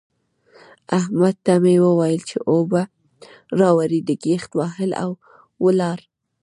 احمد ته مې وويل چې اوبه راوړه؛ ده ګيت وهل او ولاړ.